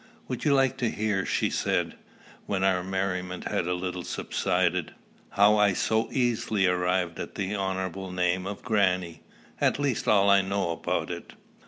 "Would you like to hear," she said, when our merriment had a little subsided, "how I have so easily arrived at the honorable name of grannie, at least all I know about it?"